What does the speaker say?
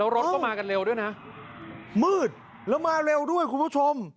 รถก็มากันเร็วด้วยนะมืดแล้วมาเร็วด้วยคุณผู้ชม